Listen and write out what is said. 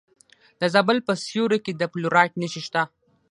د زابل په سیوري کې د فلورایټ نښې شته.